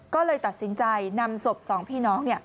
ก็เลยตัดสินใจนำศพ๒พี่น้อง